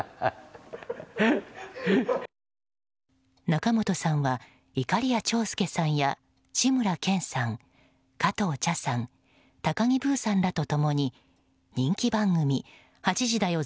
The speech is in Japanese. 仲本さんはいかりや長介さんや志村けんさん加藤茶さん高木ブーさんらと共に人気番組「８時だョ！